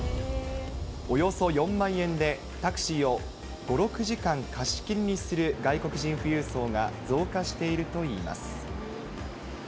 およそ４万円でタクシーを５、６時間貸し切りにする外国人富裕層が増加しているといいます。